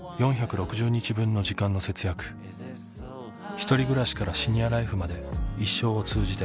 ひとり暮らしからシニアライフまで生を通じて、